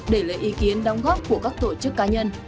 để lấy ý kiến đóng góp của các tổ chức cá nhân